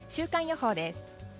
週間予報です。